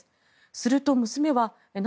すると、娘は何？